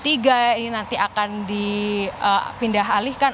ini nanti akan dipindah alihkan